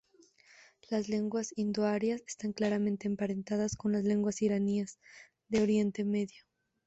Las lenguas indoarias están claramente emparentadas con las lenguas iranias de Oriente Medio.